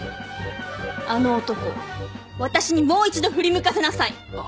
あの男を私にもう一度振り向かせなさい。